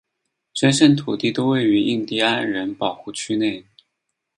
全县土地都位于印地安人保护区内。